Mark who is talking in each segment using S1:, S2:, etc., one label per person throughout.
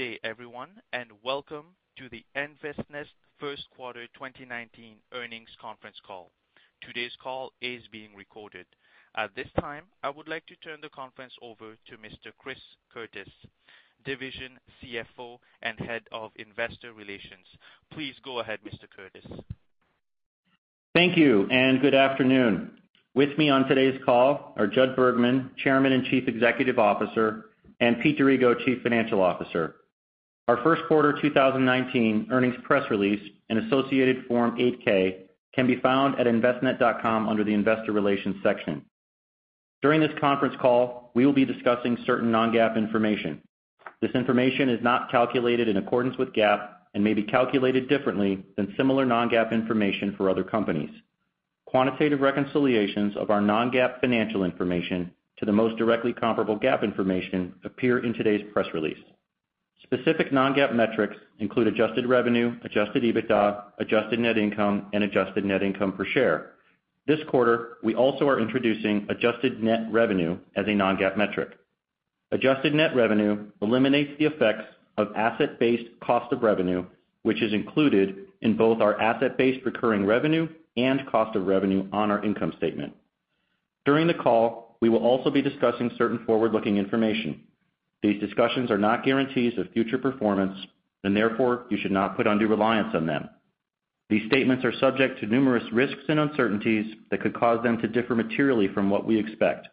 S1: Good day, everyone. Welcome to the Envestnet first quarter 2019 earnings conference call. Today's call is being recorded. At this time, I would like to turn the conference over to Mr. Chris Curtis, Division CFO and Head of Investor Relations. Please go ahead, Mr. Curtis.
S2: Thank you. Good afternoon. With me on today's call are Judd Bergman, Chairman and Chief Executive Officer, and Pete D'Errico, Chief Financial Officer. Our first quarter 2019 earnings press release and associated Form 8-K can be found at envestnet.com under the investor relations section. During this conference call, we will be discussing certain non-GAAP information. This information is not calculated in accordance with GAAP and may be calculated differently than similar non-GAAP information for other companies. Quantitative reconciliations of our non-GAAP financial information to the most directly comparable GAAP information appear in today's press release. Specific non-GAAP metrics include adjusted revenue, adjusted EBITDA, adjusted net income, and adjusted net income per share. This quarter, we also are introducing adjusted net revenue as a non-GAAP metric. Adjusted net revenue eliminates the effects of asset-based cost of revenue, which is included in both our asset-based recurring revenue and cost of revenue on our income statement. During the call, we will also be discussing certain forward-looking information. These discussions are not guarantees of future performance. Therefore, you should not put undue reliance on them. These statements are subject to numerous risks and uncertainties that could cause them to differ materially from what we expect.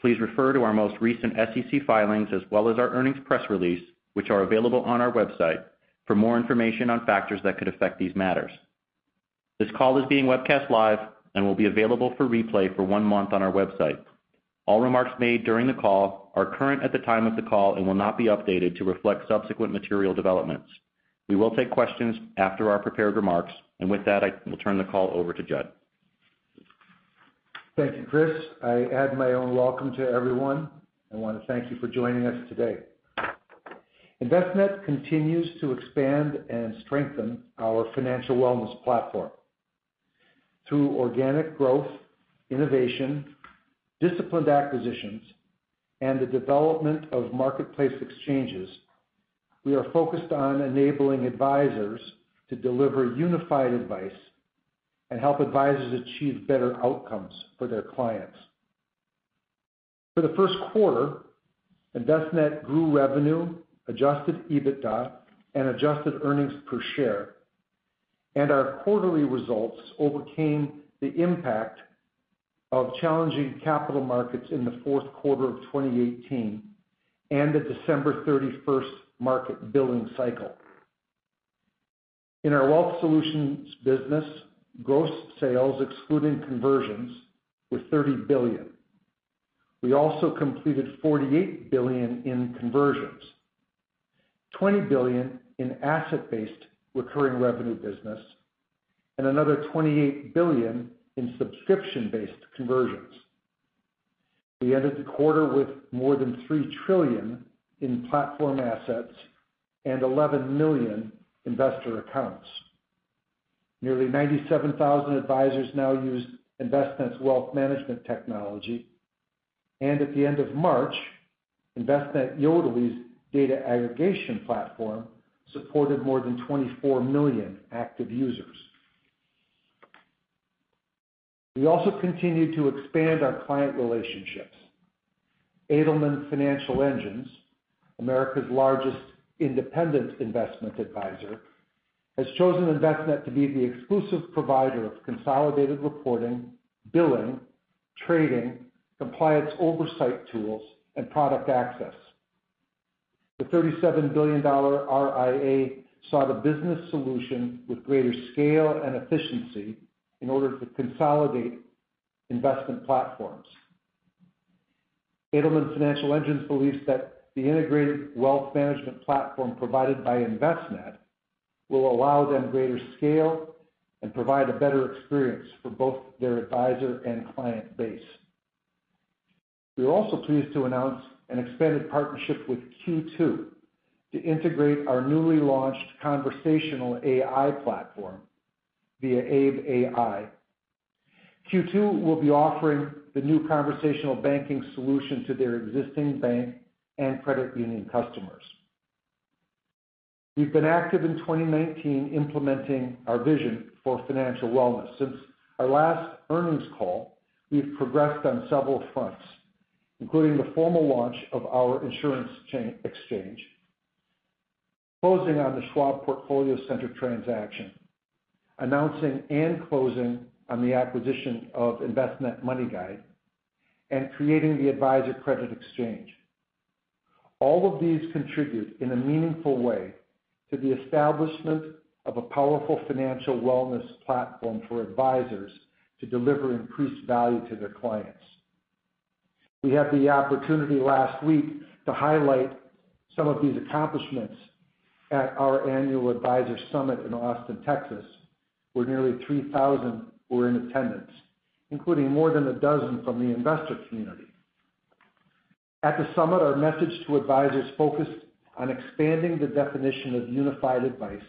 S2: Please refer to our most recent SEC filings as well as our earnings press release, which are available on our website for more information on factors that could affect these matters. This call is being webcast live and will be available for replay for one month on our website. All remarks made during the call are current at the time of the call and will not be updated to reflect subsequent material developments. We will take questions after our prepared remarks. With that, I will turn the call over to Judd.
S3: Thank you, Chris. I add my own welcome to everyone. I want to thank you for joining us today. Envestnet continues to expand and strengthen our financial wellness platform. Through organic growth, innovation, disciplined acquisitions, and the development of marketplace exchanges, we are focused on enabling advisors to deliver unified advice and help advisors achieve better outcomes for their clients. For the first quarter, Envestnet grew revenue, adjusted EBITDA, and adjusted earnings per share, and our quarterly results overcame the impact of challenging capital markets in the fourth quarter of 2018 and the December 31st market billing cycle. In our wealth solutions business, gross sales excluding conversions were $30 billion. We also completed $48 billion in conversions, $20 billion in asset-based recurring revenue business, and another $28 billion in subscription-based conversions. We ended the quarter with more than $3 trillion in platform assets and 11 million investor accounts. Nearly 97,000 advisors now use Envestnet's wealth management technology. At the end of March, Envestnet | Yodlee's data aggregation platform supported more than 24 million active users. We also continued to expand our client relationships. Edelman Financial Engines, America's largest independent investment advisor, has chosen Envestnet to be the exclusive provider of consolidated reporting, billing, trading, compliance oversight tools, and product access. The $37 billion RIA sought a business solution with greater scale and efficiency in order to consolidate investment platforms. Edelman Financial Engines believes that the integrated wealth management platform provided by Envestnet will allow them greater scale and provide a better experience for both their advisor and client base. We are also pleased to announce an expanded partnership with Q2 to integrate our newly launched conversational AI platform via Abe.ai. Q2 will be offering the new conversational banking solution to their existing bank and credit union customers. We've been active in 2019 implementing our vision for financial wellness. Since our last earnings call, we've progressed on several fronts, including the formal launch of our Insurance Exchange, closing on the Schwab PortfolioCenter transaction, announcing and closing on the acquisition of Envestnet MoneyGuide, and creating the Advisor Credit Exchange. All of these contribute in a meaningful way to the establishment of a powerful financial wellness platform for advisors to deliver increased value to their clients. We had the opportunity last week to highlight some of these accomplishments at our annual advisor summit in Austin, Texas, where nearly 3,000 were in attendance, including more than a dozen from the investor community. At the summit, our message to advisors focused on expanding the definition of unified advice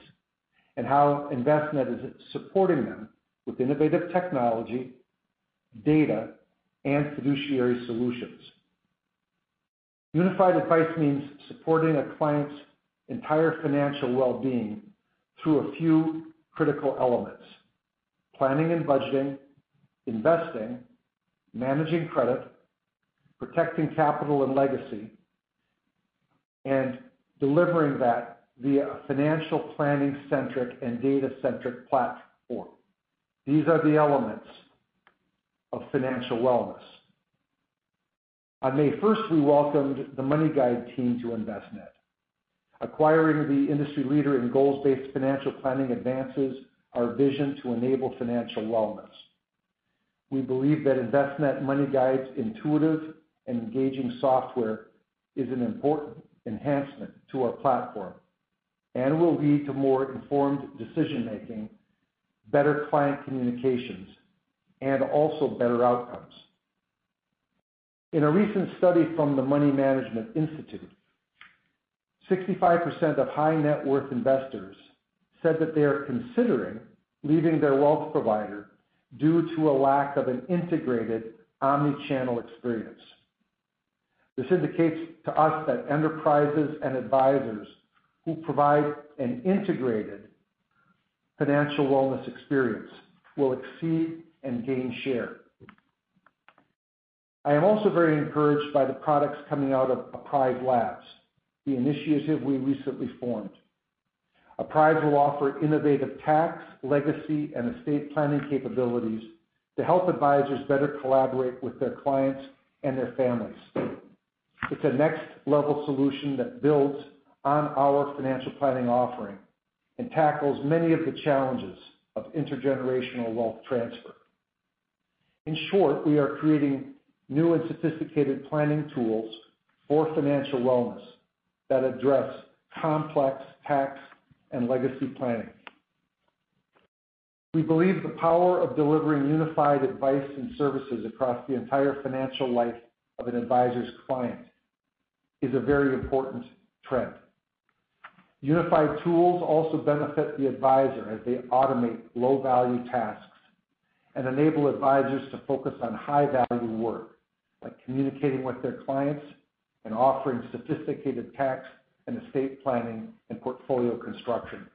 S3: and how Envestnet is supporting them with innovative technology, data, and fiduciary solutions. Unified advice means supporting a client's entire financial well-being through a few critical elements: planning and budgeting, investing, managing credit, protecting capital and legacy, and delivering that via a financial planning-centric and data-centric platform. These are the elements of financial wellness. On May 1st, we welcomed the MoneyGuide team to Envestnet. Acquiring the industry leader in goals-based financial planning advances our vision to enable financial wellness. We believe that Envestnet MoneyGuide's intuitive and engaging software is an important enhancement to our platform and will lead to more informed decision-making, better client communications, and also better outcomes. In a recent study from the Money Management Institute, 65% of high net worth investors said that they are considering leaving their wealth provider due to a lack of an integrated omni-channel experience. This indicates to us that enterprises and advisors who provide an integrated financial wellness experience will exceed and gain share. I am also very encouraged by the products coming out of Apprise Labs, the initiative we recently formed. Apprise will offer innovative tax, legacy, and estate planning capabilities to help advisors better collaborate with their clients and their families. It's a next-level solution that builds on our financial planning offering and tackles many of the challenges of intergenerational wealth transfer. In short, we are creating new and sophisticated planning tools for financial wellness that address complex tax and legacy planning. We believe the power of delivering unified advice and services across the entire financial life of an advisor's client is a very important trend. Unified tools also benefit the advisor as they automate low-value tasks and enable advisors to focus on high-value work, like communicating with their clients and offering sophisticated tax and estate planning and portfolio construction.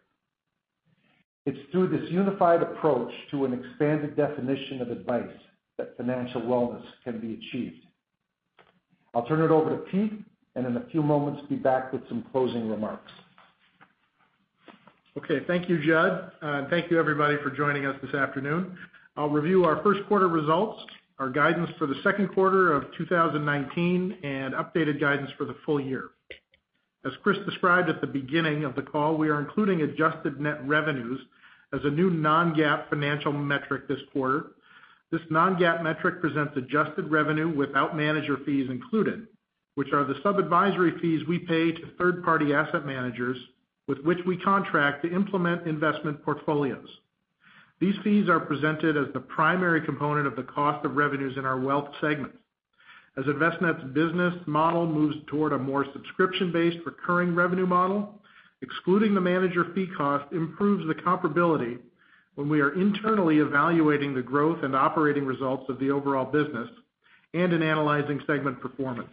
S3: It's through this unified approach to an expanded definition of advice, that financial wellness can be achieved. I'll turn it over to Pete, and in a few moments be back with some closing remarks.
S4: Okay. Thank you, Judd. Thank you everybody for joining us this afternoon. I'll review our first quarter results, our guidance for the second quarter of 2019, and updated guidance for the full year. As Chris described at the beginning of the call, we are including adjusted net revenues as a new non-GAAP financial metric this quarter. This non-GAAP metric presents adjusted revenue without manager fees included, which are the sub-advisory fees we pay to third-party asset managers with which we contract to implement investment portfolios. These fees are presented as the primary component of the cost of revenues in our wealth segment. As Envestnet's business model moves toward a more subscription-based recurring revenue model, excluding the manager fee cost improves the comparability when we are internally evaluating the growth and operating results of the overall business, and in analyzing segment performance.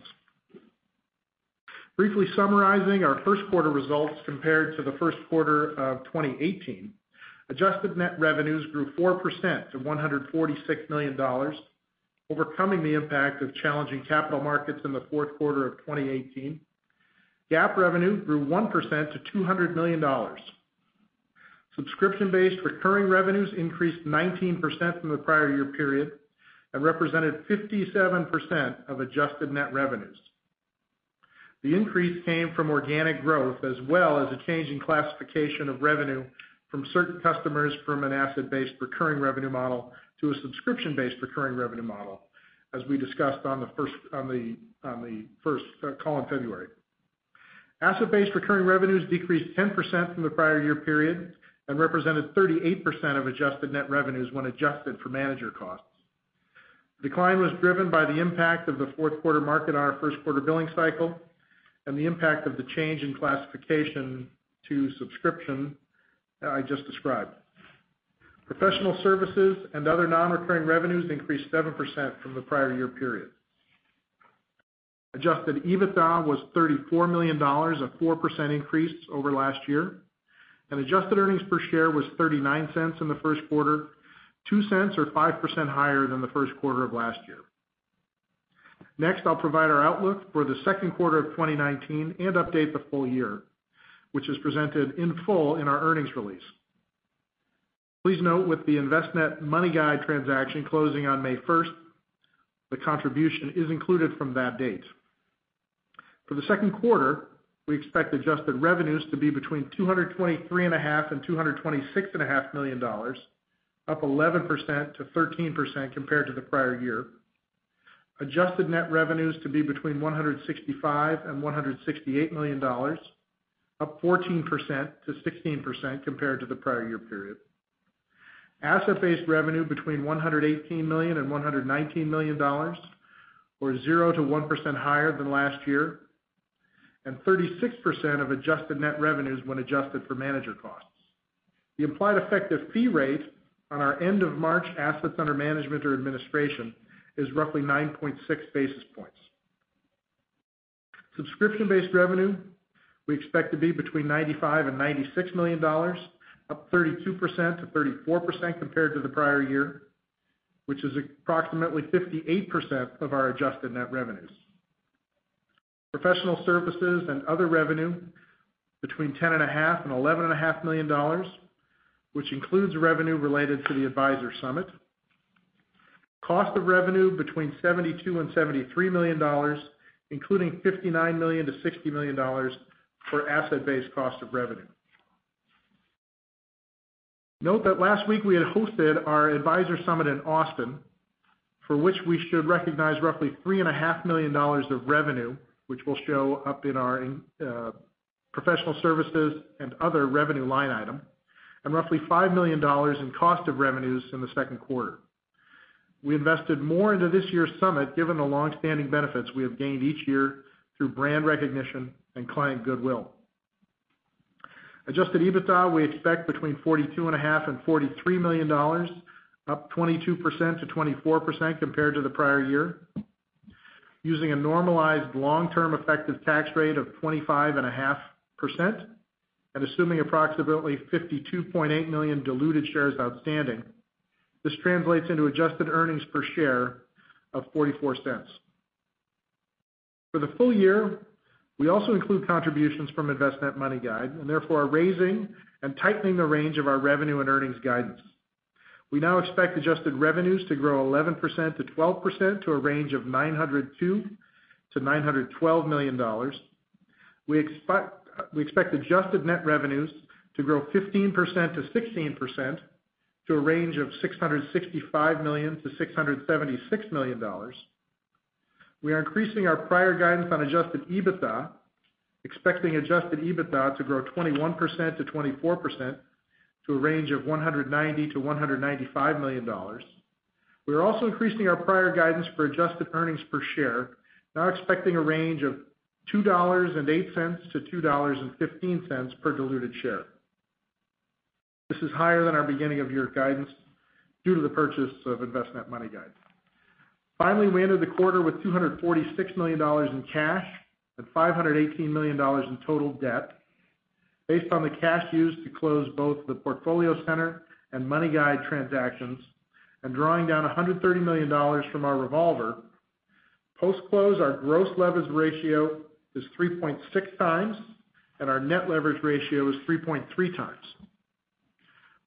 S4: Briefly summarizing our first quarter results compared to the first quarter of 2018, adjusted net revenues grew 4% to $146 million, overcoming the impact of challenging capital markets in the fourth quarter of 2018. GAAP revenue grew 1% to $200 million. Subscription-based recurring revenues increased 19% from the prior year period and represented 57% of adjusted net revenues. The increase came from organic growth as well as a change in classification of revenue from certain customers from an asset-based recurring revenue model to a subscription-based recurring revenue model, as we discussed on the first call in February. Asset-based recurring revenues decreased 10% from the prior year period and represented 38% of adjusted net revenues when adjusted for manager costs. Decline was driven by the impact of the fourth quarter market on our first quarter billing cycle and the impact of the change in classification to subscription I just described. Professional services and other non-recurring revenues increased 7% from the prior year period. Adjusted EBITDA was $34 million, a 4% increase over last year. Adjusted earnings per share was $0.39 in the first quarter, $0.02 or 5% higher than the first quarter of last year. Next, I'll provide our outlook for the second quarter of 2019 and update the full year, which is presented in full in our earnings release. Please note with the Envestnet MoneyGuide transaction closing on May 1st, the contribution is included from that date. For the second quarter, we expect adjusted revenues to be between $223.5 million-$226.5 million, up 11%-13% compared to the prior year. Adjusted net revenues to be between $165 million-$168 million, up 14%-16% compared to the prior year period. Asset-based revenue between $118 million-$119 million, or 0%-1% higher than last year. 36% of adjusted net revenues when adjusted for manager costs. The implied effective fee rate on our end of March assets under management or administration is roughly 9.6 basis points. Subscription-based revenue, we expect to be between $95 million-$96 million, up 32%-34% compared to the prior year, which is approximately 58% of our adjusted net revenues. Professional services and other revenue between $10.5 million-$11.5 million, which includes revenue related to the advisor summit. Cost of revenue between $72 million-$73 million, including $59 million-$60 million for asset-based cost of revenue. Note that last week we had hosted our advisor summit in Austin, for which we should recognize roughly $3.5 million of revenue, which will show up in our professional services and other revenue line item, and roughly $5 million in cost of revenues in the second quarter. We invested more into this year's summit, given the longstanding benefits we have gained each year through brand recognition and client goodwill. Adjusted EBITDA, we expect between $42.5 million-$43 million, up 22%-24% compared to the prior year. Using a normalized long-term effective tax rate of 25.5%, and assuming approximately 52.8 million diluted shares outstanding. This translates into adjusted earnings per share of $0.44. For the full year, we also include contributions from Envestnet MoneyGuide, and therefore are raising and tightening the range of our revenue and earnings guidance. We now expect adjusted revenues to grow 11%-12% to a range of $902 million-$912 million. We expect adjusted net revenues to grow 15%-16% to a range of $665 million-$676 million. We are increasing our prior guidance on adjusted EBITDA, expecting adjusted EBITDA to grow 21%-24% to a range of $190 million-$195 million. We are also increasing our prior guidance for adjusted earnings per share, now expecting a range of $2.08-$2.15 per diluted share. This is higher than our beginning of year guidance due to the purchase of Envestnet MoneyGuide. Finally, we ended the quarter with $246 million in cash and $518 million in total debt based on the cash used to close both the PortfolioCenter and MoneyGuide transactions and drawing down $130 million from our revolver. Post-close, our gross leverage ratio is 3.6 times, and our net leverage ratio is 3.3 times.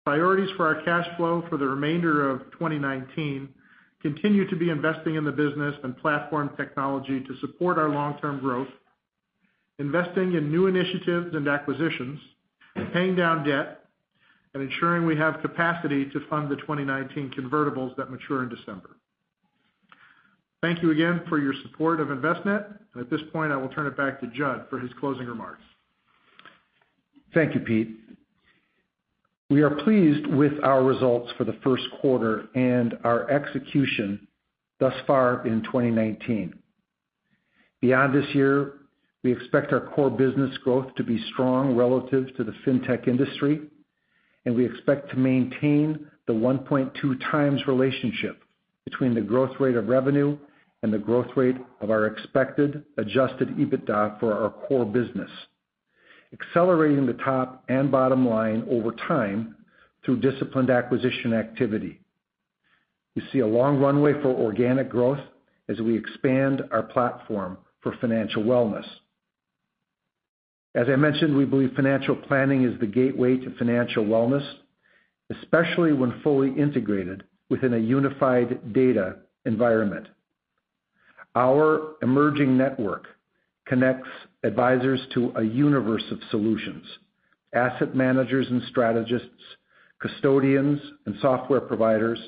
S4: Priorities for our cash flow for the remainder of 2019 continue to be investing in the business and platform technology to support our long-term growth, investing in new initiatives and acquisitions, paying down debt, and ensuring we have capacity to fund the 2019 convertibles that mature in December. Thank you again for your support of Envestnet. At this point, I will turn it back to Judd for his closing remarks.
S3: Thank you, Pete. We are pleased with our results for the first quarter and our execution thus far in 2019. Beyond this year, we expect our core business growth to be strong relative to the fintech industry. We expect to maintain the 1.2 times relationship between the growth rate of revenue and the growth rate of our expected adjusted EBITDA for our core business, accelerating the top and bottom line over time through disciplined acquisition activity. We see a long runway for organic growth as we expand our platform for financial wellness. As I mentioned, we believe financial planning is the gateway to financial wellness, especially when fully integrated within a unified data environment. Our emerging network connects advisors to a universe of solutions, asset managers and strategists, custodians and software providers,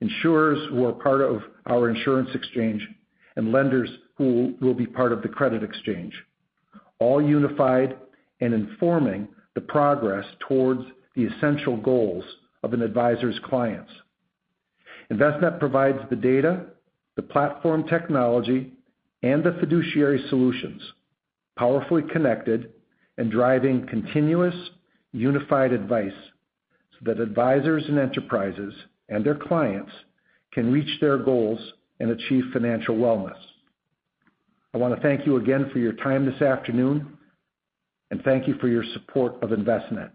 S3: insurers who are part of our Insurance Exchange, and lenders who will be part of the Credit Exchange, all unified and informing the progress towards the essential goals of an advisor's clients. Envestnet provides the data, the platform technology, and the fiduciary solutions, powerfully connected and driving continuous unified advice so that advisors and enterprises and their clients can reach their goals and achieve financial wellness. I want to thank you again for your time this afternoon. Thank you for your support of Envestnet.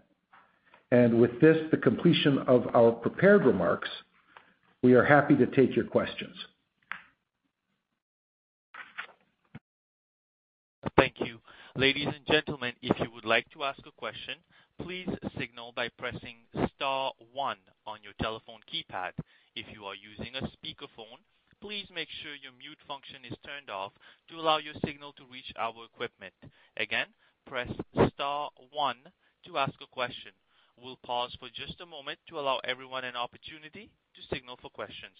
S3: With this, the completion of our prepared remarks, we are happy to take your questions.
S1: Thank you. Ladies and gentlemen, if you would like to ask a question, please signal by pressing *1 on your telephone keypad. If you are using a speakerphone, please make sure your mute function is turned off to allow your signal to reach our equipment. Again, press *1 to ask a question. We'll pause for just a moment to allow everyone an opportunity to signal for questions.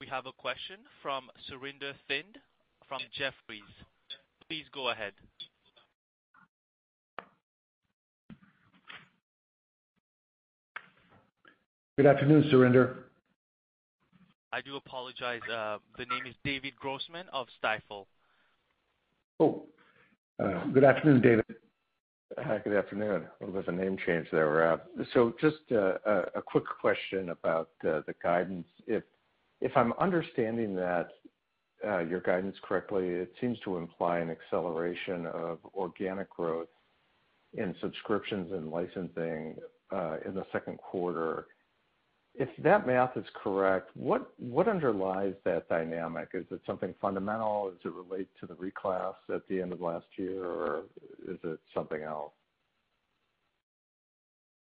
S1: We have a question from Surinder Thind from Jefferies. Please go ahead.
S3: Good afternoon, Surinder.
S1: I do apologize. The name is David Grossman of Stifel.
S3: Oh. Good afternoon, David.
S5: Hi, good afternoon. A little bit of a name change there, Rab. Just a quick question about the guidance. If I'm understanding your guidance correctly, it seems to imply an acceleration of organic growth in subscriptions and licensing in the second quarter. If that math is correct, what underlies that dynamic? Is it something fundamental? Does it relate to the reclass at the end of last year, or is it something else?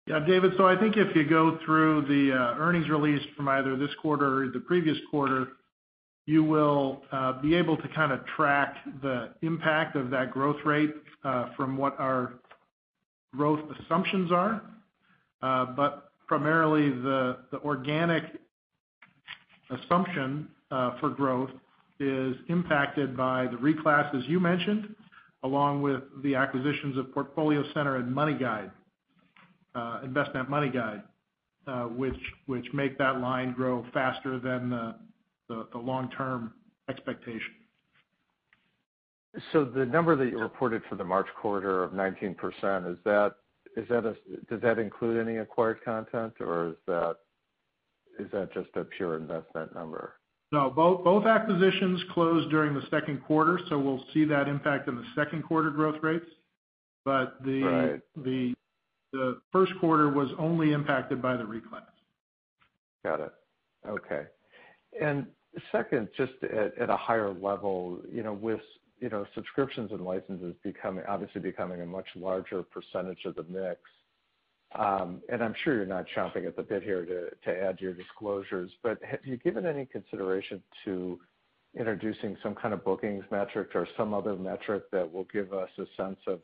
S4: Yeah, David. I think if you go through the earnings release from either this quarter or the previous quarter, you will be able to track the impact of that growth rate from what our growth assumptions are. Primarily, the organic assumption for growth is impacted by the reclass, as you mentioned, along with the acquisitions of PortfolioCenter and MoneyGuide, Envestnet MoneyGuide, which make that line grow faster than the long-term expectation.
S5: The number that you reported for the March quarter of 19%, does that include any acquired content, or is that just a pure investment number?
S4: No. Both acquisitions closed during the second quarter, we'll see that impact in the second quarter growth rates.
S5: Right.
S4: The first quarter was only impacted by the reclass.
S5: Got it. Okay. Second, just at a higher level, with subscriptions and licenses obviously becoming a much larger % of the mix, I'm sure you're not chomping at the bit here to add to your disclosures. Have you given any consideration to introducing some kind of bookings metric or some other metric that will give us a sense of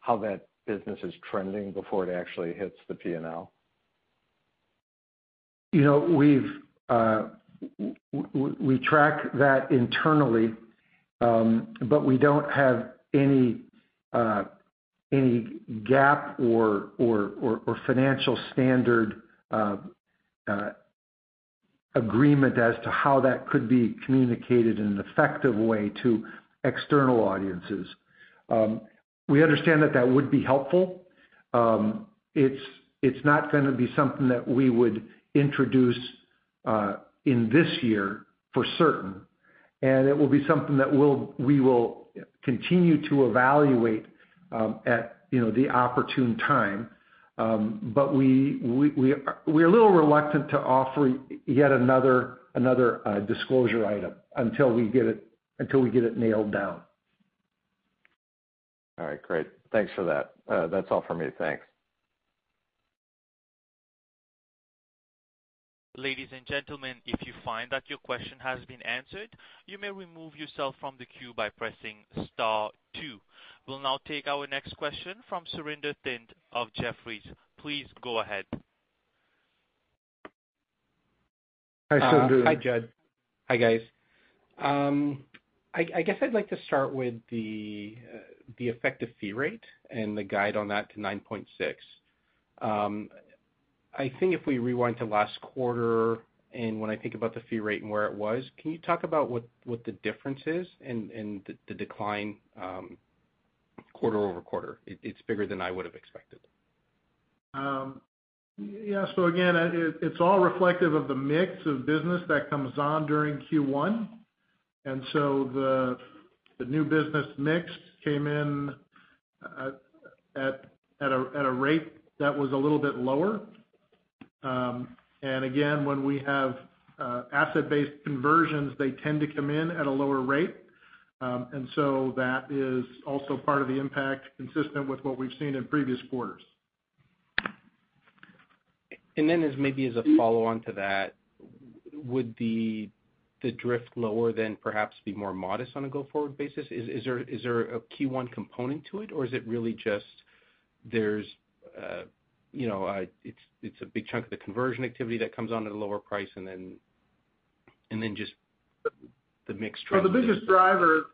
S5: how that business is trending before it actually hits the P&L?
S3: We track that internally, we don't have any GAAP or financial standard agreement as to how that could be communicated in an effective way to external audiences. We understand that that would be helpful. It's not going to be something that we would introduce in this year for certain, it will be something that we will continue to evaluate at the opportune time. We're a little reluctant to offer yet another disclosure item until we get it nailed down.
S5: All right, great. Thanks for that. That's all for me, thanks.
S1: Ladies and gentlemen, if you find that your question has been answered, you may remove yourself from the queue by pressing star two. We'll now take our next question from Surinder Thind of Jefferies. Please go ahead.
S3: Hi, Surinder.
S6: Hi, Jud. Hi, guys. I guess I'd like to start with the effective fee rate and the guide on that to 9.6%. I think if we rewind to last quarter and when I think about the fee rate and where it was, can you talk about what the difference is and the decline quarter-over-quarter? It's bigger than I would've expected.
S4: Yeah. Again, it's all reflective of the mix of business that comes on during Q1. The new business mix came in at a rate that was a little bit lower. Again, when we have asset-based conversions, they tend to come in at a lower rate. That is also part of the impact, consistent with what we've seen in previous quarters.
S6: As maybe as a follow-on to that, would the drift lower then perhaps be more modest on a go-forward basis? Is there a Q1 component to it, or is it really just, it's a big chunk of the conversion activity that comes on at a lower price and then just the mix trends-
S4: The biggest driver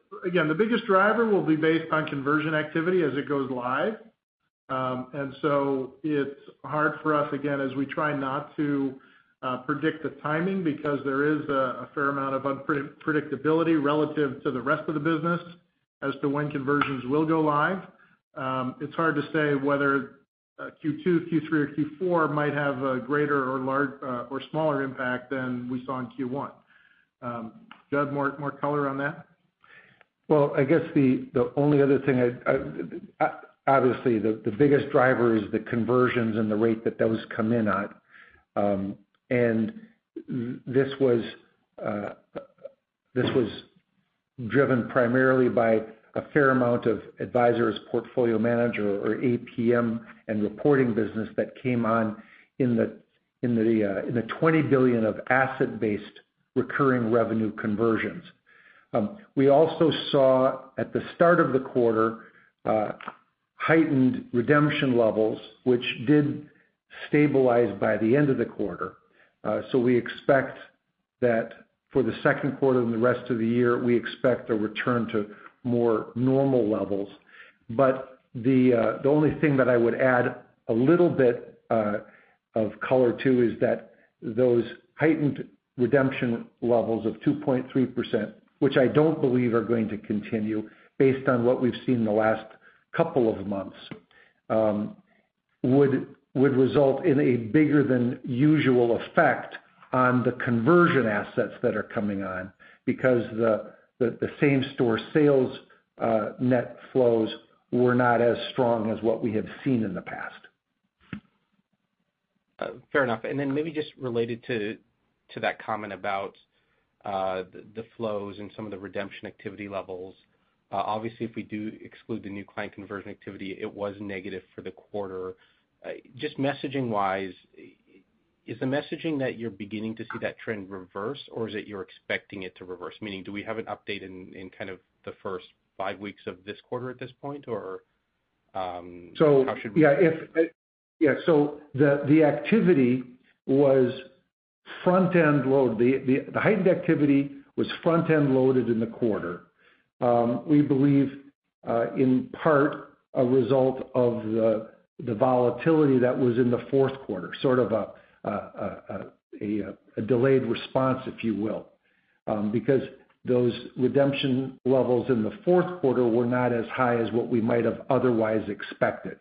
S4: will be based on conversion activity as it goes live. It's hard for us, again, as we try not to predict the timing because there is a fair amount of unpredictability relative to the rest of the business as to when conversions will go live. It's hard to say whether Q2, Q3, or Q4 might have a greater or smaller impact than we saw in Q1. Judd, more color on that?
S3: The only other thing, obviously, the biggest driver is the conversions and the rate that those come in at. This was driven primarily by a fair amount of advisers, portfolio manager or APM, and reporting business that came on in the $20 billion of asset-based recurring revenue conversions. We also saw at the start of the quarter, heightened redemption levels.
S4: Stabilized by the end of the quarter. We expect that for the second quarter and the rest of the year, we expect a return to more normal levels. The only thing that I would add a little bit of color to, is that those heightened redemption levels of 2.3%, which I don't believe are going to continue based on what we've seen the last couple of months, would result in a bigger than usual effect on the conversion assets that are coming on because the same-store sales net flows were not as strong as what we have seen in the past.
S6: Fair enough. Then maybe just related to that comment about the flows and some of the redemption activity levels. Obviously, if we do exclude the new client conversion activity, it was negative for the quarter. Messaging-wise, is the messaging that you're beginning to see that trend reverse or is it you're expecting it to reverse? Do we have an update in the first five weeks of this quarter at this point? How should we-
S4: The heightened activity was front-end loaded in the quarter. We believe, in part, a result of the volatility that was in the fourth quarter, sort of a delayed response, if you will. Those redemption levels in the fourth quarter were not as high as what we might have otherwise expected.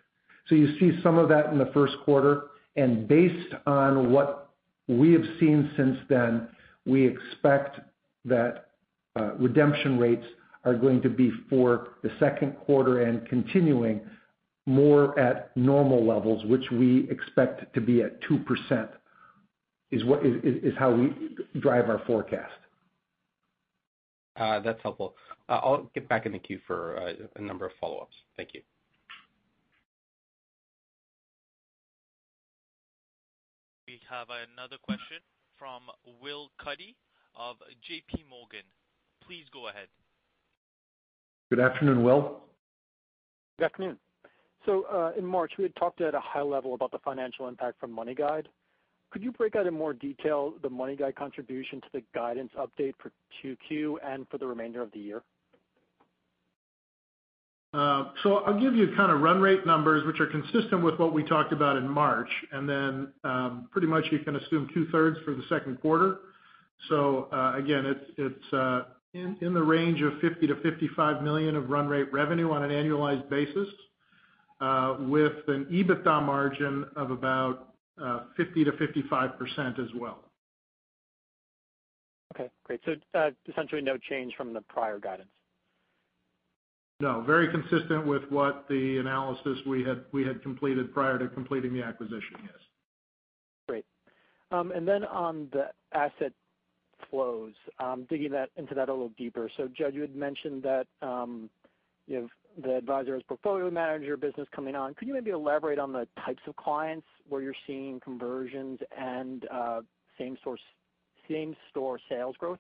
S4: You see some of that in the first quarter, based on what we have seen since then, we expect that redemption rates are going to be, for the second quarter and continuing, more at normal levels, which we expect to be at 2%, is how we drive our forecast.
S6: That's helpful. I'll get back in the queue for a number of follow-ups. Thank you.
S1: We have another question from Will Cuddy of JPMorgan. Please go ahead.
S4: Good afternoon, Will.
S7: Good afternoon. In March, we had talked at a high level about the financial impact from MoneyGuide. Could you break out in more detail the MoneyGuide contribution to the guidance update for 2Q and for the remainder of the year?
S4: I'll give you run rate numbers, which are consistent with what we talked about in March, and then pretty much you can assume two-thirds for the second quarter. Again, it's in the range of $50 million-$55 million of run rate revenue on an annualized basis, with an EBITDA margin of about 50%-55% as well.
S7: Okay, great. Essentially no change from the prior guidance.
S4: No, very consistent with what the analysis we had completed prior to completing the acquisition, yes.
S7: Great. On the asset flows, digging into that a little deeper. Jud, you had mentioned that you have the adviser as portfolio manager business coming on. Could you maybe elaborate on the types of clients where you're seeing conversions and same-store sales growth?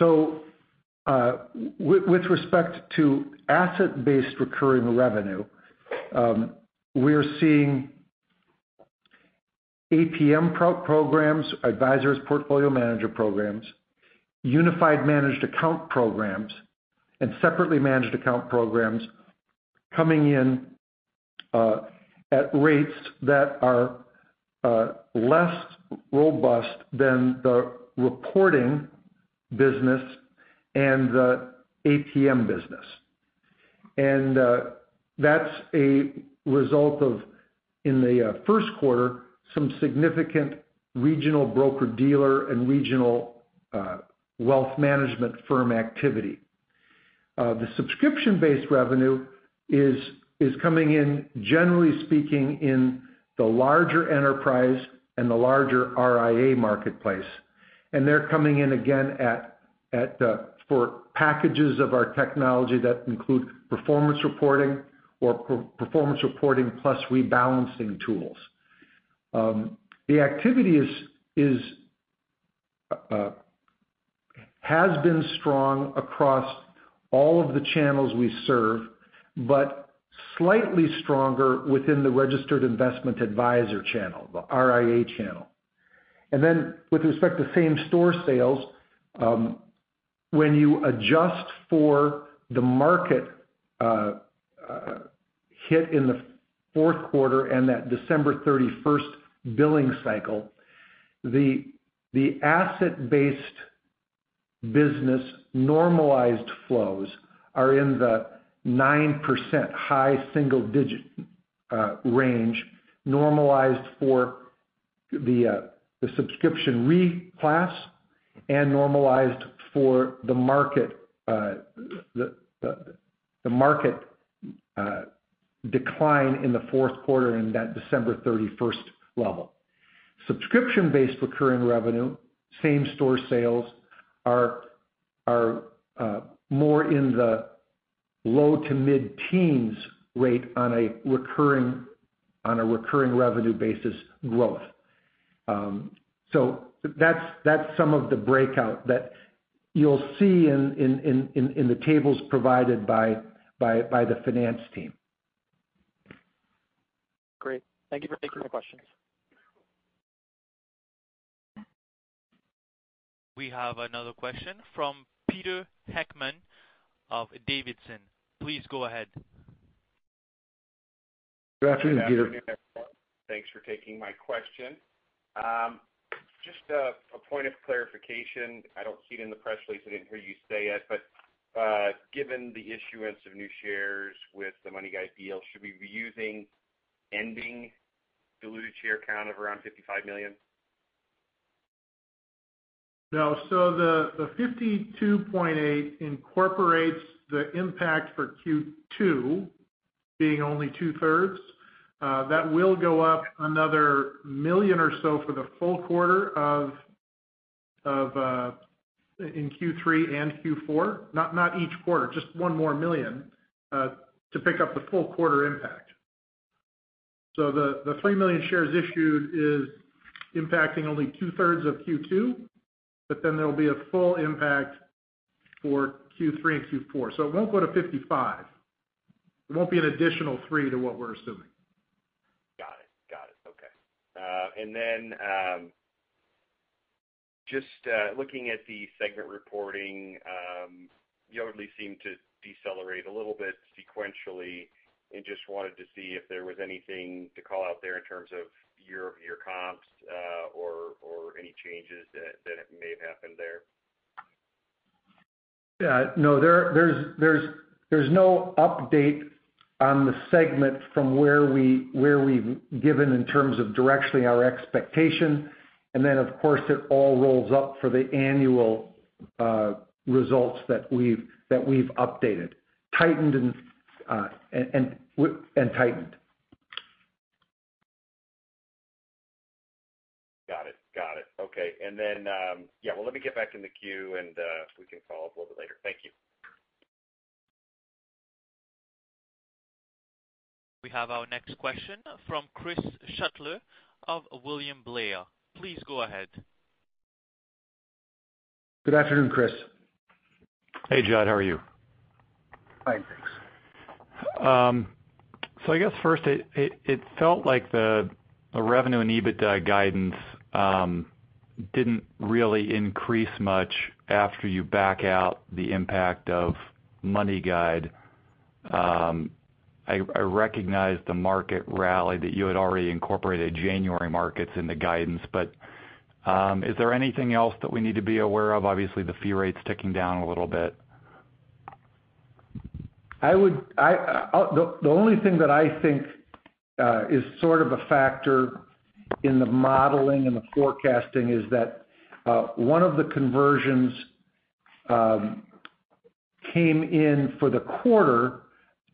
S4: With respect to asset-based recurring revenue, we're seeing APM programs, advisers portfolio manager programs, unified managed account programs, and separately managed account programs coming in at rates that are less robust than the reporting business and the APM business. That's a result of, in the first quarter, some significant regional broker-dealer and regional wealth management firm activity. The subscription-based revenue is coming in, generally speaking, in the larger enterprise and the larger RIA marketplace. They're coming in again for packages of our technology that include performance reporting or performance reporting plus rebalancing tools. The activity has been strong across all of the channels we serve, but slightly stronger within the registered investment adviser channel, the RIA channel. With respect to same-store sales, when you adjust for the market hit in the fourth quarter and that December 31st billing cycle, the asset-based business normalized flows are in the 9% high single-digit range, normalized for the subscription reclass and normalized for the market decline in the fourth quarter and that December 31st level. Subscription-based recurring revenue, same-store sales are more in the low to mid-teens rate on a recurring revenue basis growth.
S3: That's some of the breakout that you'll see in the tables provided by the finance team.
S7: Great. Thank you for taking the questions.
S1: We have another question from Peter Heckmann of D.A. Davidson. Please go ahead.
S3: Good afternoon, Peter.
S8: Good afternoon, everyone. Thanks for taking my question. Just a point of clarification. I don't see it in the press release. I didn't hear you say it, but given the issuance of new shares with the MoneyGuide deal, should we be using ending diluted share count of around 55 million?
S4: No. The 52.8 incorporates the impact for Q2 being only two-thirds. That will go up another million or so for the full quarter in Q3 and Q4. Not each quarter, just one more million, to pick up the full quarter impact. The 3 million shares issued is impacting only two-thirds of Q2, there'll be a full impact for Q3 and Q4. It won't go to 55. It won't be an additional 3 to what we're assuming.
S8: Got it. Okay. Just looking at the segment reporting, Yodlee seemed to decelerate a little bit sequentially and just wanted to see if there was anything to call out there in terms of year-over-year comps or any changes that may have happened there.
S3: No. There's no update on the segment from where we've given in terms of directionally our expectation, of course, it all rolls up for the annual results that we've updated and tightened.
S8: Got it. Okay. Then, yeah. Well, let me get back in the queue, and we can follow up a little bit later. Thank you.
S1: We have our next question from Chris Shutler of William Blair. Please go ahead.
S3: Good afternoon, Chris.
S9: Hey, Judd. How are you?
S3: Fine. Thanks.
S9: I guess first it felt like the revenue and adjusted EBITDA guidance didn't really increase much after you back out the impact of MoneyGuide. I recognize the market rally that you had already incorporated January markets in the guidance. Is there anything else that we need to be aware of? Obviously, the fee rate's ticking down a little bit.
S3: The only thing that I think is sort of a factor in the modeling and the forecasting is that one of the conversions came in for the quarter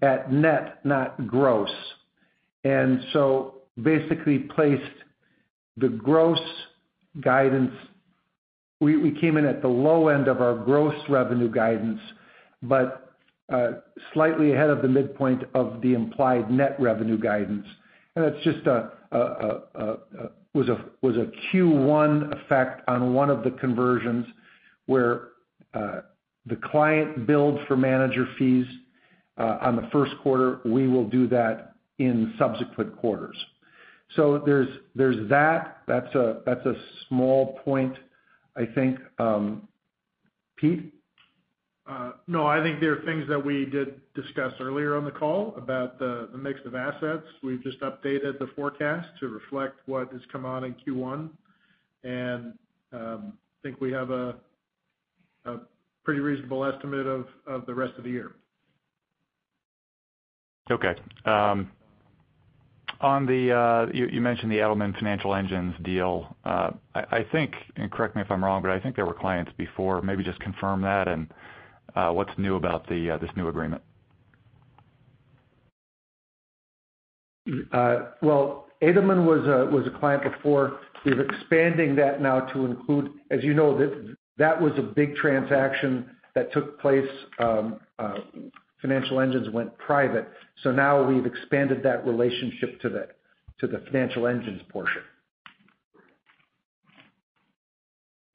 S3: at net, not gross. Basically placed the gross guidance. We came in at the low end of our gross revenue guidance, but slightly ahead of the midpoint of the implied net revenue guidance. That was a Q1 effect on one of the conversions where the client billed for manager fees on the first quarter. We will do that in subsequent quarters. There's that. That's a small point, I think. Pete?
S4: No, I think there are things that we did discuss earlier on the call about the mix of assets. We've just updated the forecast to reflect what has come on in Q1. I think we have a pretty reasonable estimate of the rest of the year.
S9: Okay. Correct me if I'm wrong, but I think there were clients before. Maybe just confirm that and what's new about this new agreement?
S3: Well, Edelman was a client before. We're expanding that now to include As you know, that was a big transaction that took place. Financial Engines went private. Now we've expanded that relationship to the Financial Engines portion.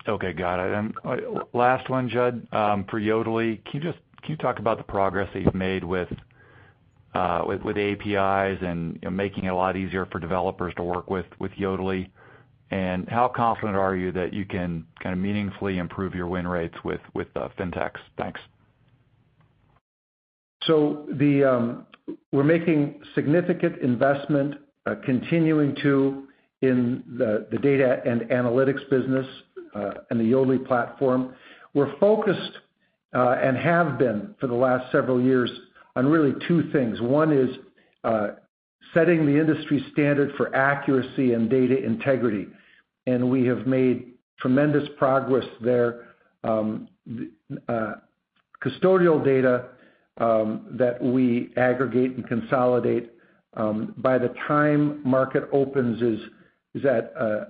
S9: Okay. Got it. Last one, Judd, for Yodlee. Can you talk about the progress that you've made with APIs and making it a lot easier for developers to work with Yodlee? How confident are you that you can kind of meaningfully improve your win rates with Fintechs? Thanks.
S3: We're making significant investment, continuing to in the data and analytics business, and the Yodlee platform. We're focused, and have been for the last several years on really two things. One is setting the industry standard for accuracy and data integrity. We have made tremendous progress there. Custodial data that we aggregate and consolidate by the time market opens is at a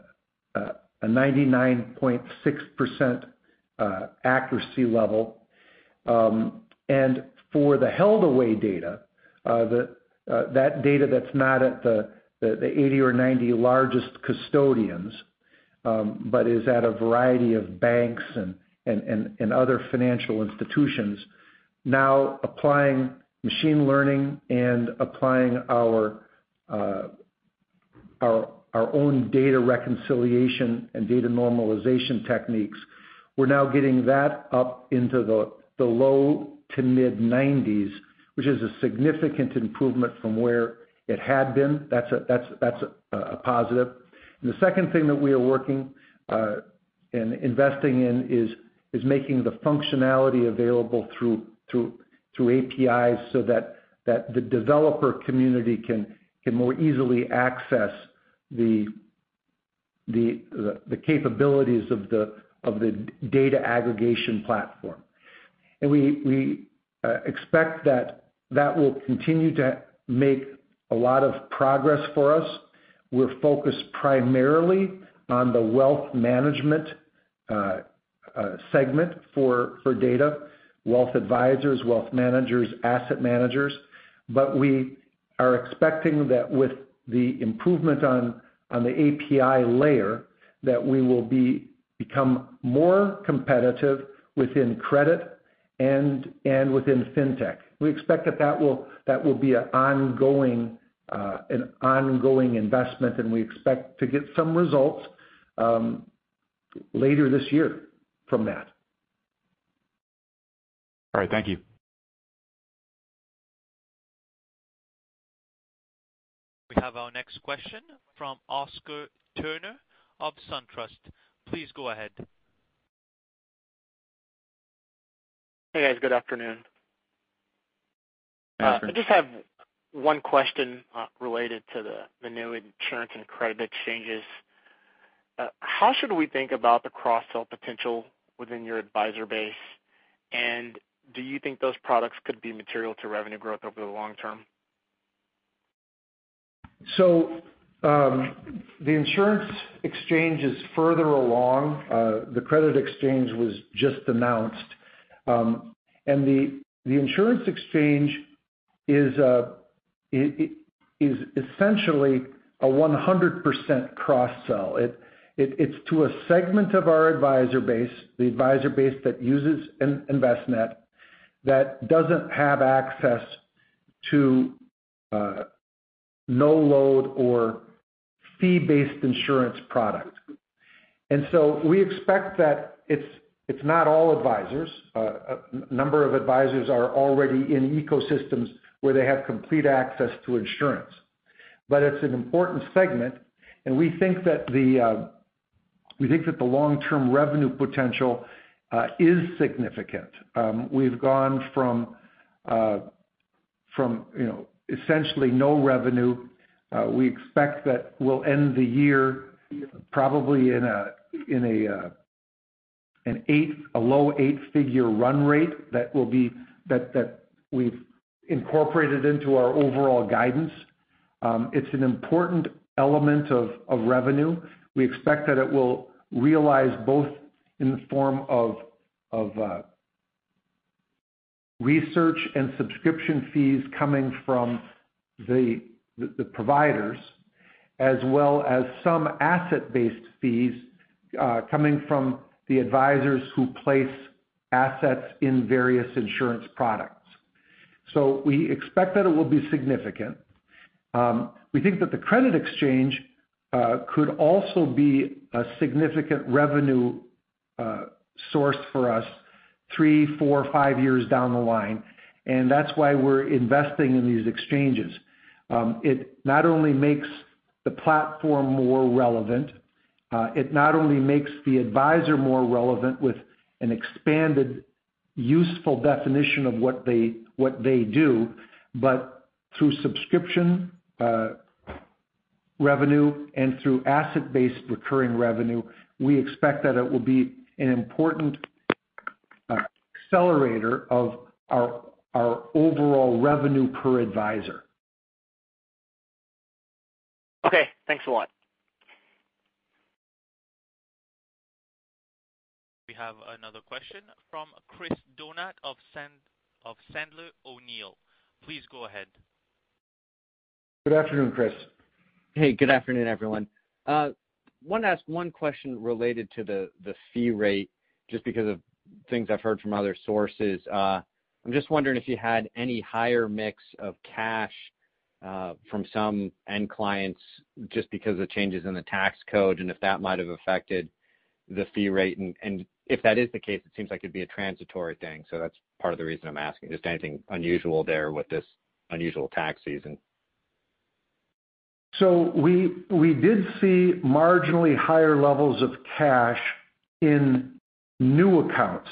S3: 99.6% accuracy level. For the held away data, that data that's not at the 80 or 90 largest custodians, but is at a variety of banks and other financial institutions. Now applying machine learning and applying our own data reconciliation and data normalization techniques, we're now getting that up into the low to mid-90s, which is a significant improvement from where it had been. That's a positive. The second thing that we are working and investing in is making the functionality available through APIs so that the developer community can more easily access the capabilities of the data aggregation platform. We expect that will continue to make a lot of progress for us. We're focused primarily on the wealth management segment for data, wealth advisors, wealth managers, asset managers. We are expecting that with the improvement on the API layer, that we will become more competitive within credit and within fintech. We expect that will be an ongoing investment, and we expect to get some results later this year from that.
S9: All right. Thank you.
S1: We have our next question from Oscar Turner of SunTrust. Please go ahead.
S10: Hey, guys. Good afternoon.
S3: Hi, Oscar.
S10: I just have one question related to the new insurance and credit exchanges. How should we think about the cross-sell potential within your advisor base? Do you think those products could be material to revenue growth over the long term?
S3: The insurance exchange is further along. The credit exchange was just announced. The insurance exchange is essentially a 100% cross-sell. It's to a segment of our advisor base, the advisor base that uses Envestnet, that doesn't have access to no-load or fee-based insurance product. We expect that it's not all advisors. A number of advisors are already in ecosystems where they have complete access to insurance. It's an important segment, and we think that the long-term revenue potential is significant. We've gone from essentially no revenue. We expect that we'll end the year probably in a low eight-figure run rate that we've incorporated into our overall guidance. It's an important element of revenue. We expect that it will realize both in the form of research and subscription fees coming from the providers, as well as some asset-based fees coming from the advisors who place assets in various insurance products. We expect that it will be significant. We think that the credit exchange could also be a significant revenue source for us three, four, five years down the line, and that's why we're investing in these exchanges. It not only makes the platform more relevant, it not only makes the advisor more relevant with an expanded, useful definition of what they do, but through subscription revenue and through asset-based recurring revenue, we expect that it will be an important accelerator of our overall revenue per advisor.
S10: Okay. Thanks a lot.
S1: We have another question from Chris Donat of Sandler O'Neill. Please go ahead.
S3: Good afternoon, Chris.
S11: Hey. Good afternoon, everyone. Want to ask one question related to the fee rate, just because of things I've heard from other sources. I'm just wondering if you had any higher mix of cash from some end clients just because of changes in the tax code, and if that might have affected the fee rate. If that is the case, it seems like it'd be a transitory thing, so that's part of the reason I'm asking. Just anything unusual there with this unusual tax season.
S3: We did see marginally higher levels of cash in new accounts.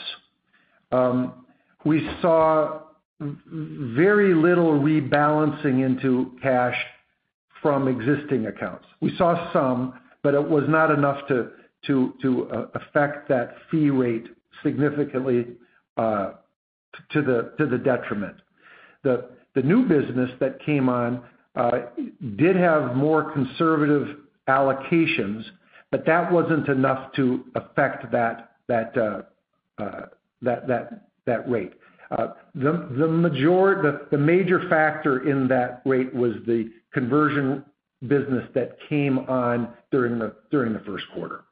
S3: We saw very little rebalancing into cash from existing accounts. We saw some, but it was not enough to affect that fee rate significantly. To the detriment, the new business that came on did have more conservative allocations, but that wasn't enough to affect that rate. The major factor in that rate was the conversion business that came on during the first quarter.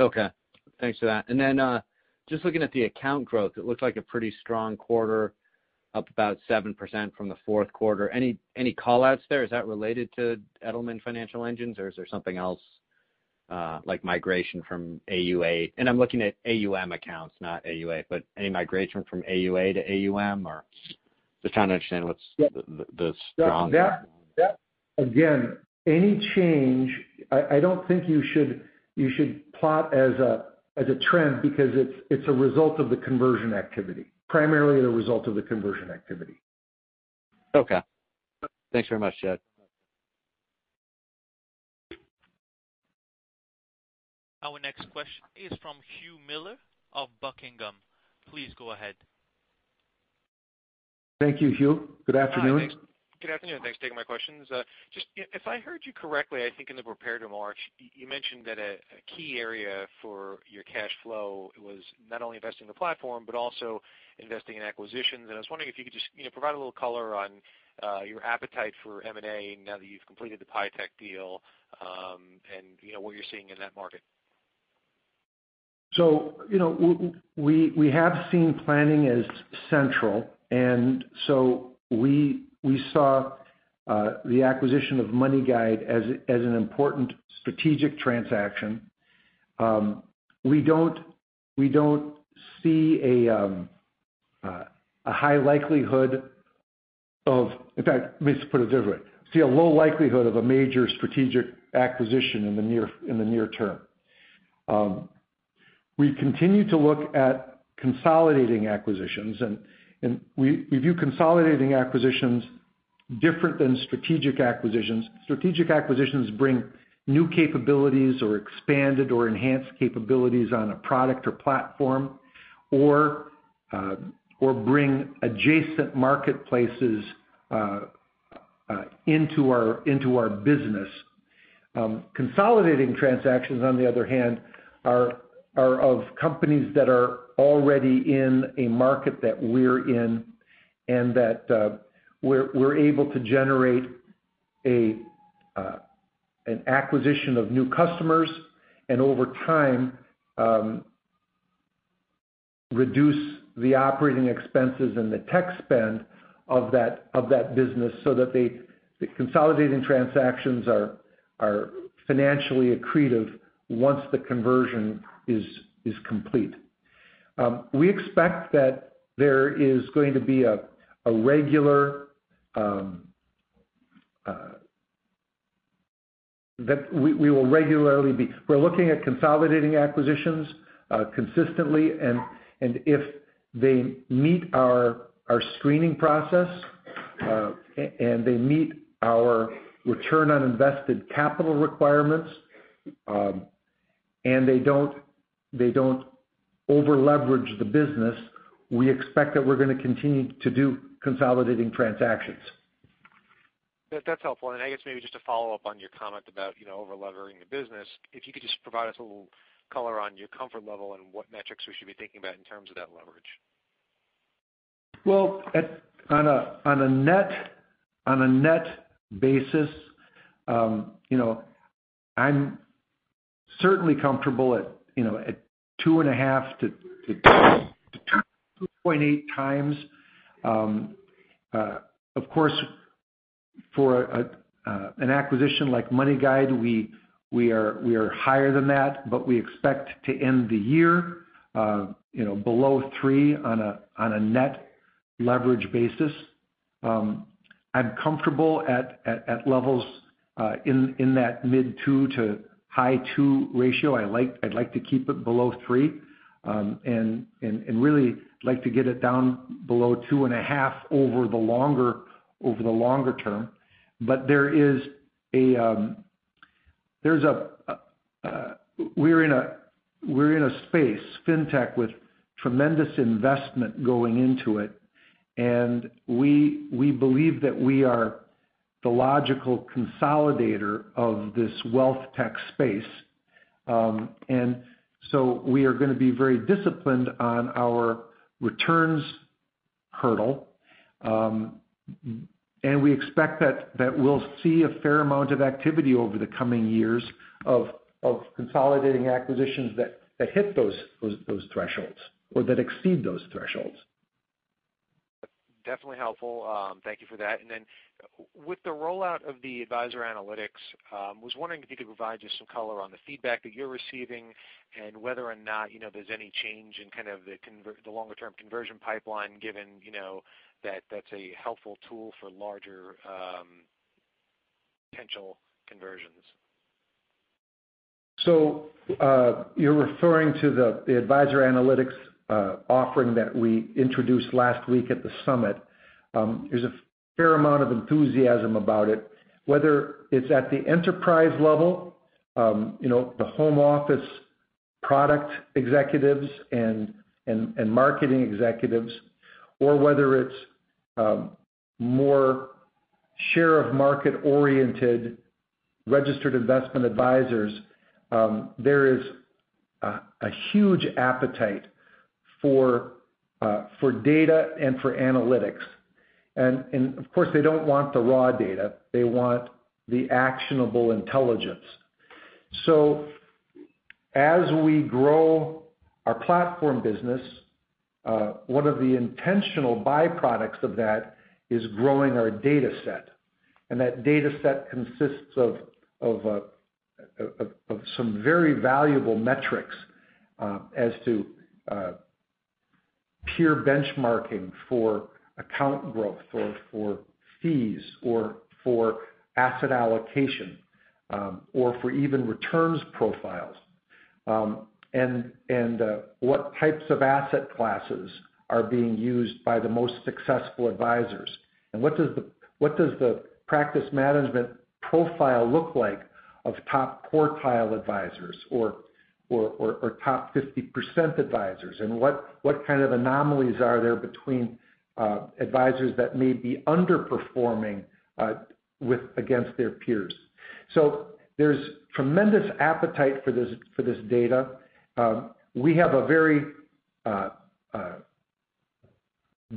S11: Okay. Thanks for that. Just looking at the account growth, it looks like a pretty strong quarter, up about 7% from the fourth quarter. Any call-outs there? Is that related to Edelman Financial Engines, or is there something else, like migration from AUA? I'm looking at AUM accounts, not AUA, but any migration from AUA to AUM, or just trying to understand what's the strong
S3: That, again, any change, I don't think you should plot as a trend because it's a result of the conversion activity, primarily the result of the conversion activity.
S11: Okay. Thanks very much, Jud.
S1: Our next question is from Hugh Miller of Buckingham. Please go ahead.
S3: Thank you, Hugh. Good afternoon.
S12: Hi. Good afternoon. Thanks for taking my questions. If I heard you correctly, I think in the prepared remarks, you mentioned that a key area for your cash flow was not only investing in the platform but also investing in acquisitions. I was wondering if you could just provide a little color on your appetite for M&A now that you've completed the PIEtech deal, and what you're seeing in that market.
S3: We have seen planning as central. We saw the acquisition of MoneyGuide as an important strategic transaction. In fact, let me just put it a different way. We see a low likelihood of a major strategic acquisition in the near term. We continue to look at consolidating acquisitions. We view consolidating acquisitions different than strategic acquisitions. Strategic acquisitions bring new capabilities or expanded or enhanced capabilities on a product or platform, or bring adjacent marketplaces into our business. Consolidating transactions, on the other hand, are of companies that are already in a market that we're in and that we're able to generate an acquisition of new customers, and over time reduce the operating expenses and the tech spend of that business so that the consolidating transactions are financially accretive once the conversion is complete. We're looking at consolidating acquisitions consistently, and if they meet our screening process and they meet our return on invested capital requirements, and they don't over-leverage the business, we expect that we're going to continue to do consolidating transactions.
S12: That's helpful. I guess maybe just to follow up on your comment about over-leveraging the business, if you could just provide us a little color on your comfort level and what metrics we should be thinking about in terms of that leverage.
S3: Well, on a net basis, I'm certainly comfortable at 2.5 to 2.8 times. Of course, for an acquisition like MoneyGuide, we are higher than that. We expect to end the year below 3 on a net leverage basis. I'm comfortable at levels in that mid 2 to high 2 ratio. I'd like to keep it below 3. Really like to get it down below 2.5 over the longer term. We're in a space, fintech, with tremendous investment going into it. We believe that we are the logical consolidator of this wealth tech space. We are going to be very disciplined on our returns hurdle. We expect that we'll see a fair amount of activity over the coming years of consolidating acquisitions that hit those thresholds or that exceed those thresholds.
S12: Definitely helpful. Thank you for that. With the rollout of the Advisor Analytics, was wondering if you could provide just some color on the feedback that you're receiving and whether or not there's any change in kind of the longer-term conversion pipeline given that that's a helpful tool for larger potential conversions.
S3: You're referring to the Advisor Analytics offering that we introduced last week at the summit. There's a fair amount of enthusiasm about it. Whether it's at the enterprise level, the home office product executives and marketing executives, or whether it's more share of market-oriented registered investment advisors, there is a huge appetite for data and for analytics. Of course, they don't want the raw data, they want the actionable intelligence. As we grow our platform business, one of the intentional byproducts of that is growing our data set. That data set consists of some very valuable metrics as to peer benchmarking for account growth, or for fees, or for asset allocation, or for even returns profiles. What types of asset classes are being used by the most successful advisors, and what does the practice management profile look like of top quartile advisors, or top 50% advisors? What kind of anomalies are there between advisors that may be underperforming against their peers? There's tremendous appetite for this data. We have a very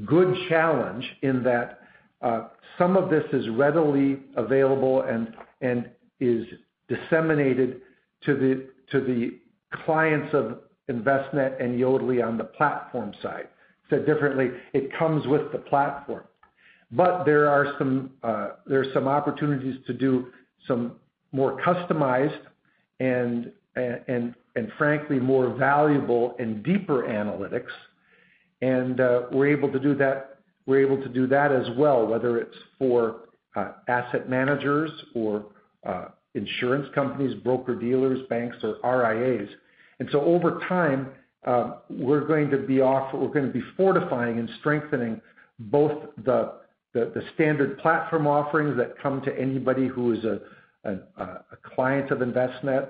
S3: good challenge in that some of this is readily available and is disseminated to the clients of Envestnet and Yodlee on the platform side. Said differently, it comes with the platform. There are some opportunities to do some more customized, and frankly, more valuable and deeper analytics. We're able to do that as well, whether it's for asset managers or insurance companies, broker-dealers, banks or RIAs. Over time, we're going to be fortifying and strengthening both the standard platform offerings that come to anybody who is a client of Envestnet,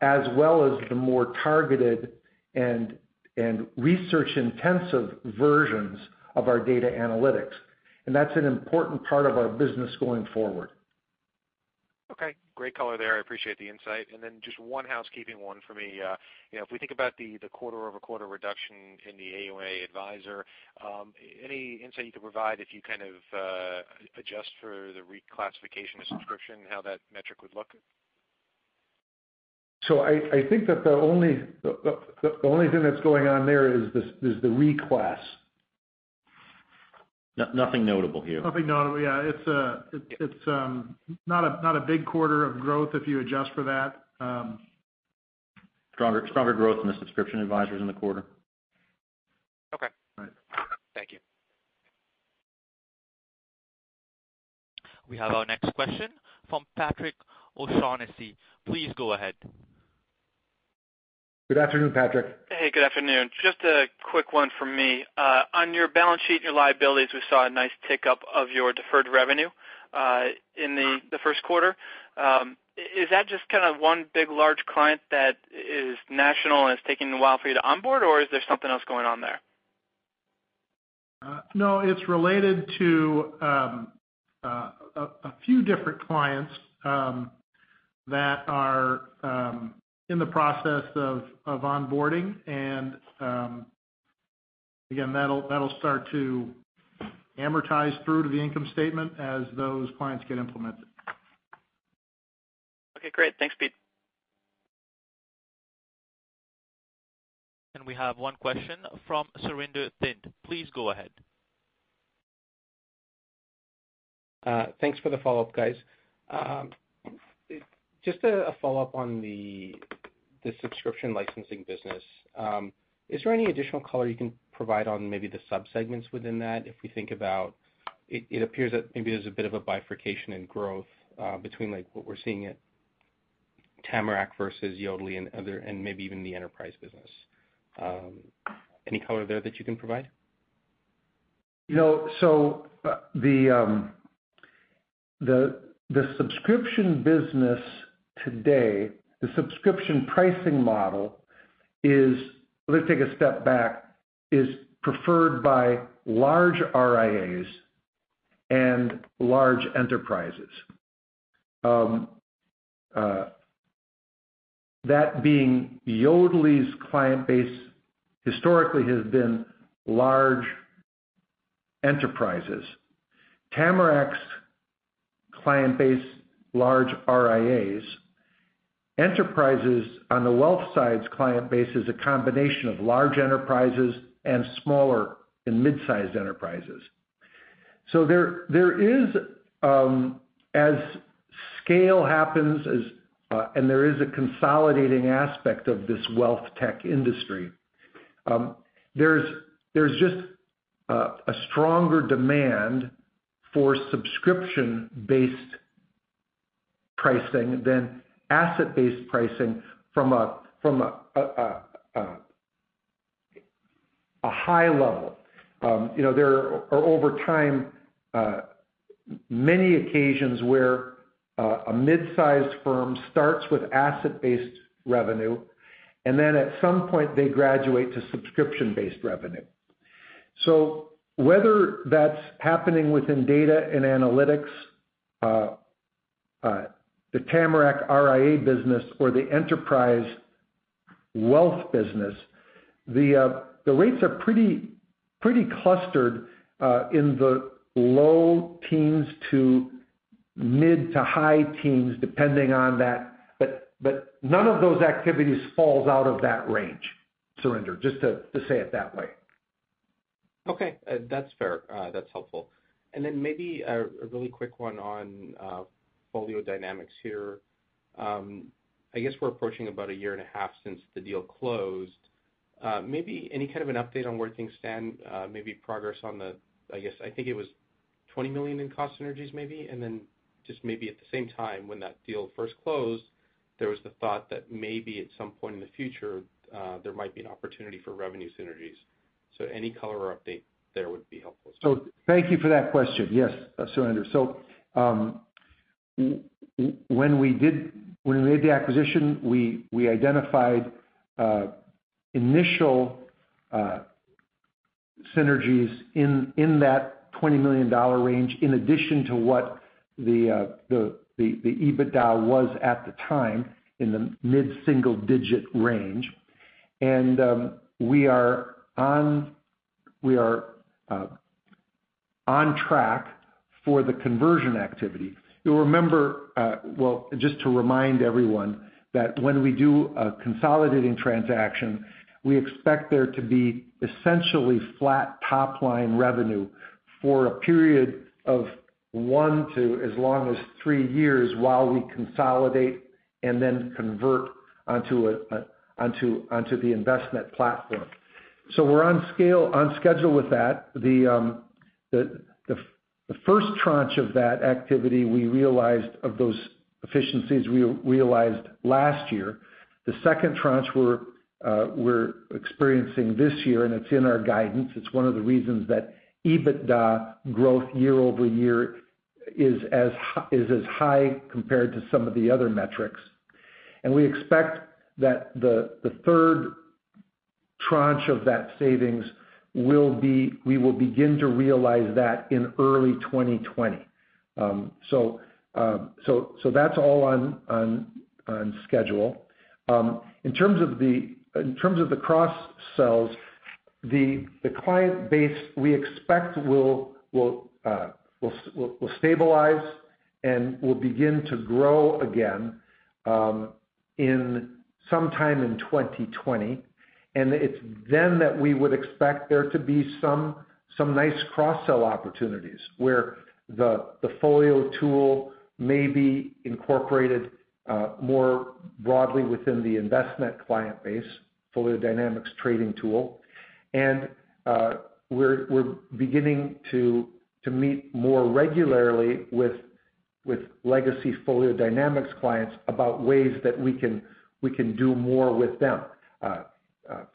S3: as well as the more targeted and research-intensive versions of our data analytics. That's an important part of our business going forward.
S12: Okay. Great color there. I appreciate the insight. Just one housekeeping one for me. If we think about the quarter-over-quarter reduction in the AUA advisor, any insight you can provide if you kind of adjust for the reclassification to subscription, how that metric would look?
S3: I think that the only thing that's going on there is the reclass.
S2: Nothing notable here.
S3: Nothing notable, yeah. It's not a big quarter of growth if you adjust for that.
S2: Stronger growth in the subscription advisors in the quarter.
S12: Okay.
S2: All right.
S12: Thank you.
S1: We have our next question from Patrick O'Shaughnessy. Please go ahead.
S3: Good afternoon, Patrick.
S13: Hey, good afternoon. Just a quick one from me. On your balance sheet and your liabilities, we saw a nice tick up of your deferred revenue in the first quarter. Is that just one big, large client that is national and it's taking a while for you to onboard, or is there something else going on there?
S4: No, it's related to a few different clients that are in the process of onboarding. Again, that'll start to amortize through to the income statement as those clients get implemented.
S13: Okay, great. Thanks, Pete.
S1: We have one question from Surinder Thind. Please go ahead.
S6: Thanks for the follow-up, guys. Just a follow-up on the subscription licensing business. Is there any additional color you can provide on maybe the sub-segments within that? If we think about, it appears that maybe there's a bit of a bifurcation in growth between what we're seeing at Tamarac versus Yodlee and maybe even the enterprise business. Any color there that you can provide?
S3: The subscription business today, the subscription pricing model is, let's take a step back, is preferred by large RIAs and large enterprises. That being Yodlee's client base historically has been large enterprises. Tamarac's client base, large RIAs. Enterprises on the wealth side's client base is a combination of large enterprises and smaller and mid-sized enterprises. There is, as scale happens, and there is a consolidating aspect of this wealth tech industry. There's just a stronger demand for subscription-based pricing than asset-based pricing from a high level. There are over time, many occasions where a mid-sized firm starts with asset-based revenue, and then at some point they graduate to subscription-based revenue. Whether that's happening within data and analytics, the Tamarac RIA business or the enterprise wealth business, the rates are pretty clustered, in the low teens to mid to high teens, depending on that. None of those activities falls out of that range, Surinder, just to say it that way.
S6: Okay. That's fair. That's helpful. Maybe a really quick one on FolioDynamix here. I guess we're approaching about a year and a half since the deal closed. Maybe any kind of an update on where things stand, maybe progress on the, I guess, I think it was $20 million in cost synergies, maybe. Just maybe at the same time, when that deal first closed, there was the thought that maybe at some point in the future, there might be an opportunity for revenue synergies. Any color or update there would be helpful.
S3: Thank you for that question. Yes, Surinder. When we made the acquisition, we identified initial synergies in that $20 million range in addition to what the EBITDA was at the time in the mid-single digit range. We are on track for the conversion activity. You'll remember, just to remind everyone that when we do a consolidating transaction, we expect there to be essentially flat top line revenue for a period of one to as long as three years while we consolidate and then convert onto the Envestnet platform. We're on schedule with that. The first tranche of that activity, we realized those efficiencies last year. The second tranche we're experiencing this year, it's in our guidance. It's one of the reasons that EBITDA growth year-over-year is as high compared to some of the other metrics. We expect that the third tranche of that savings we will begin to realize that in early 2020. That's all on schedule. In terms of the cross-sells, the client base we expect will stabilize and will begin to grow again sometime in 2020. It's then that we would expect there to be some nice cross-sell opportunities where the Folio tool may be incorporated more broadly within the Envestnet client base, FolioDynamix trading tool. We're beginning to meet more regularly with legacy FolioDynamix clients about ways that we can do more with them.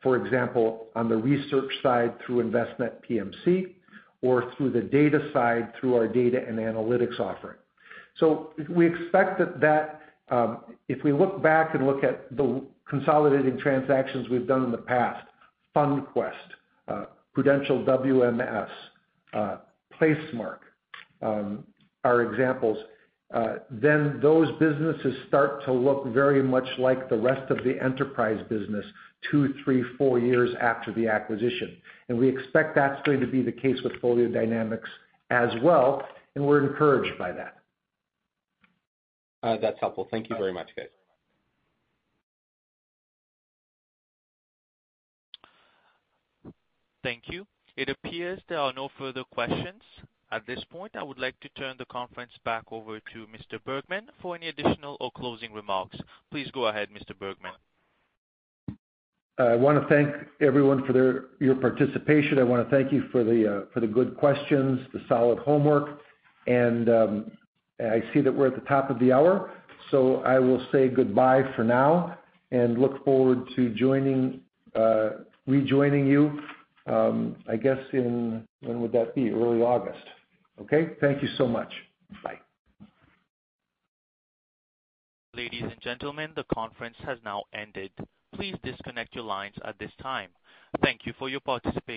S3: For example, on the research side through Envestnet PMC or through the data side through our data and analytics offering. We expect that if we look back and look at the consolidating transactions we've done in the past, FundQuest, Prudential WMS, Placemark are examples. Those businesses start to look very much like the rest of the enterprise business two, three, four years after the acquisition. We expect that's going to be the case with FolioDynamix as well, and we're encouraged by that.
S6: That's helpful. Thank you very much, guys.
S1: Thank you. It appears there are no further questions. At this point, I would like to turn the conference back over to Mr. Bergman for any additional or closing remarks. Please go ahead, Mr. Bergman.
S3: I want to thank everyone for your participation. I want to thank you for the good questions, the solid homework. I see that we're at the top of the hour. I will say goodbye for now and look forward to rejoining you, I guess in, when would that be? Early August. Okay. Thank you so much. Bye
S1: Ladies and gentlemen, the conference has now ended. Please disconnect your lines at this time. Thank you for your participation.